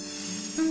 うん。